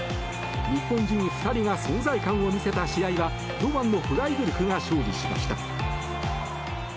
日本人２人が存在感を見せた試合は堂安のフライブルクが勝利しました。